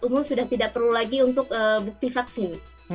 umum sudah tidak perlu lagi untuk bukti vaksin